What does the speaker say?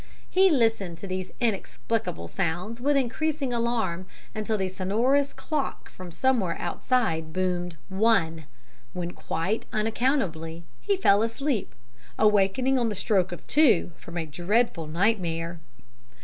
"He listened to these inexplicable sounds with increasing alarm until the sonorous clock from somewhere outside boomed 'one,' when, quite unaccountably, he fell asleep, awaking on the stroke of two from a dreadful nightmare.